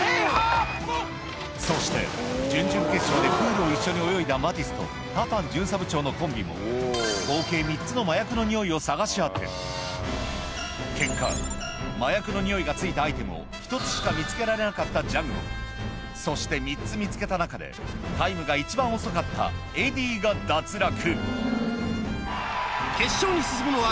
そして準々決勝でプールを一緒に泳いだ結果麻薬のニオイがついたアイテムを１つしか見つけられなかったジャンゴそして３つ見つけた中でタイムが一番遅かったエディが脱落